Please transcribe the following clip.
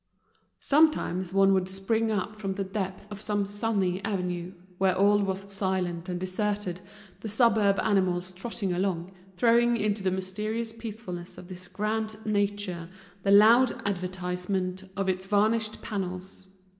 Sometimes one would spring up from the depths of some sunny avenue, where all was silent and deserted, the superb animals trotting along, throwing into the mysterious peacefulness of this grand nature the loud advertisement of its varnished panels.